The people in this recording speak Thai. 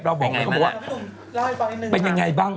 เราบอกว่าเป็นยังไงบ้าง